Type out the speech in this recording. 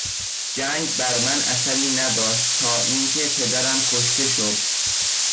جنگ بر من اثری نداشت تا اینکه پدرم کشته شد.